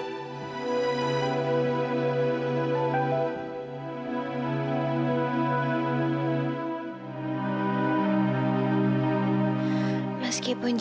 kamu istirahat ya